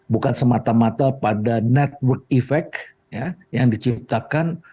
bukan semata mata pada network effect yang diciptakan